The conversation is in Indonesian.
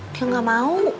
dia gak mau